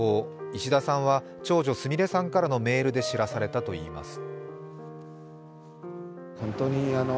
石田さんは長女、すみれさんからのメールで知らされたといいます。